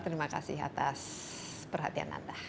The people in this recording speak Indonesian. terima kasih atas perhatian anda